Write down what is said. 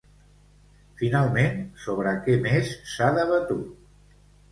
Finalment, sobre què més s'ha debatut?